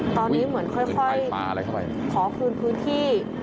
ตอนนี้เหมือนค่อยขอคืนพื้นที่